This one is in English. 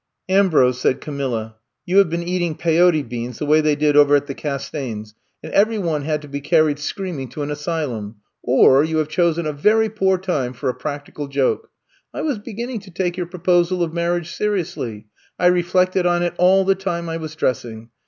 '^Ambrose,'^ said Camilla, ''you have been eating Pyote Beans, the way they did over at the Castaignes ', and every one had to be carried screaming to an asylum, or you have chosen a very poor time for a practical joke. I was beginning to take your proposal of marriage seriously. I reflected on it all the time I was dressing.